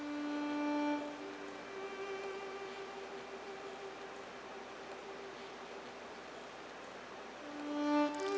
อื้อ